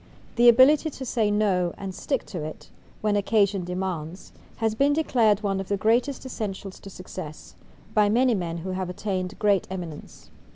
The ability to say "No" and stick to it, when occasion demands, has been declared one of the greatest essentials to success, by many men who have attained great eminence.